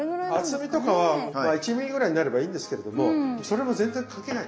厚みとかはまあ１ミリぐらいになればいいんですけれどもそれも全然関係ない。